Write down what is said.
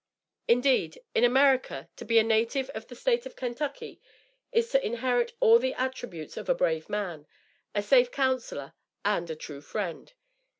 Indeed, in America, to be a native of the State of Kentucky, is to inherit all the attributes of a brave man, a safe counsellor and a true friend.